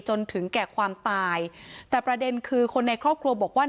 จนถึงแก่ความตายแต่ประเด็นคือคนในครอบครัวบอกว่า